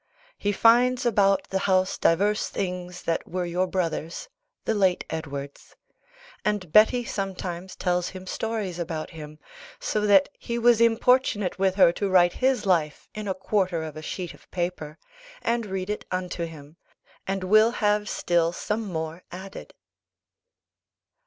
He finds about the house divers things that were your brother's (the late Edward's), and Betty sometimes tells him stories about him, so that he was importunate with her to write his life in a quarter of a sheet of paper, and read it unto him, and will have still more added.